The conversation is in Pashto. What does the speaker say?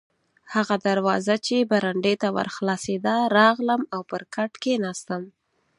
هغه دروازه چې برنډې ته ور خلاصېده، راغلم او پر کټ کښېناستم.